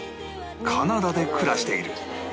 カナダで暮らしている